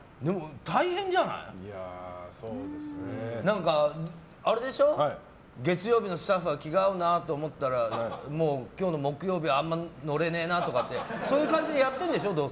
大変じゃない？月曜日のスタッフは気が合うなって思ったら今日の木曜日はあんまり乗れねえなってそういう感じでやってるんでしょどうせ。